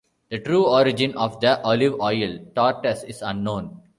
The true origin of the olive oil tortas is unknown.